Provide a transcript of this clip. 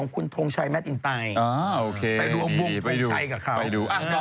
กันไชหาแล้วว่าน้องเป็นเก้งเหรอ